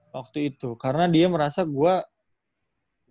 waktu itu karena dia merasa gue